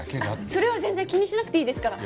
それは全然気にしなくていいですから。